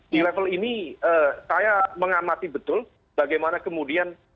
di level ini saya mengamati betul bagaimana kemudian